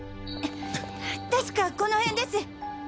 確かこの辺です。